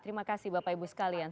terima kasih bapak ibu sekalian